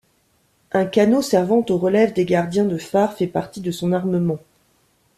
Un canot servant aux relèves des gardiens de phare fait partie de son armement.